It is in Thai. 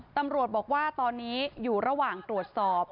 ตำรวจบอกว่าตอนนี้อยู่ระหว่างตรวจสอบ